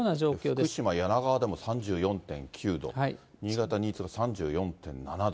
福島・梁川でも３４．９度、新潟・新津が３４．７度。